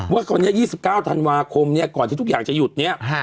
ว่าคราวนี้๒๙ธันวาคมเนี่ยก่อนที่ทุกอย่างจะหยุดเนี่ย